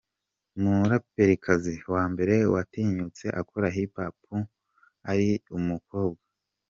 muraperikazi wa mbere watinyutse akora hip hop ari umukobwa.